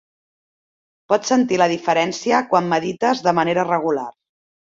Pots sentir la diferència quan medites de manera regular.